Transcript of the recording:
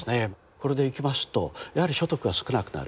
これでいきますとやはり所得が少なくなる。